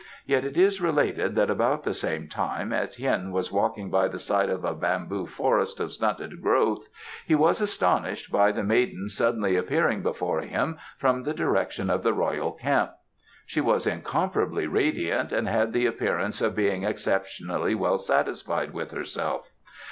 Yet it is related that about the same time, as Hien was walking by the side of a bamboo forest of stunted growth, he was astonished by the maiden suddenly appearing before him from the direction of the royal camp. She was incomparably radiant and had the appearance of being exceptionally well satisfied with herself.